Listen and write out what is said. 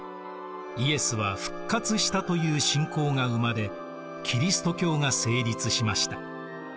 「イエスは復活した」という信仰が生まれキリスト教が成立しました。